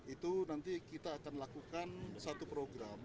itu nanti kita akan lakukan satu program